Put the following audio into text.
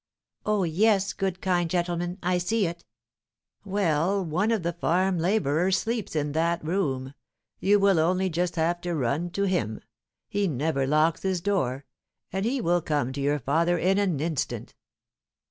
"Oh, yes, good, kind gentleman; I see it." "Well, one of the farm labourers sleeps in that room. You will only just have to run to him. He never locks his door; and he will come to your father in an instant."